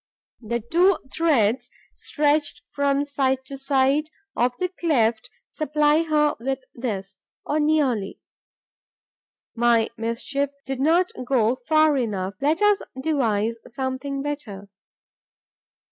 The two threads stretched from side to side of the cleft supply her with this, or nearly. My mischief did not go far enough. Let us devise something better.